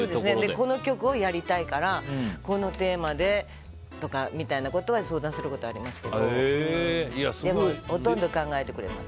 この曲をやりたいからこのテーマでやるみたいなことは相談することはありますけどでも、ほとんど考えてくれます。